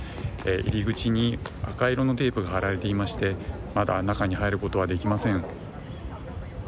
入口に赤色のテープが貼られていましてまだ中に入ることはできません。